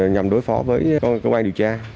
nhằm đối phó với công an điều tra